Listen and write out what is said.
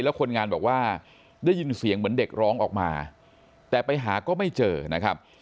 แล้วคนงานบอกว่าได้ยินเสียงเหมือนเด็กร้องออกมาแต่ไปหาก็ไม่เจอนะครับ